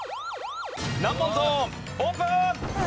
難問ゾーンオープン！